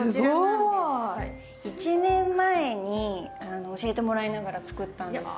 すごい。１年前に教えてもらいながら作ったんです。